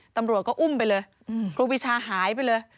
ตำรวจก็อุ้มไปเลยครูปีชาหายไปเลย